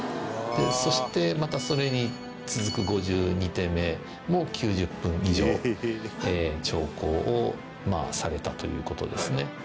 そして、またそれに続く５２手目も９０分以上長考をされたという事ですね。